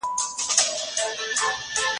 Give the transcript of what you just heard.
زه له سهاره ليکنې کوم.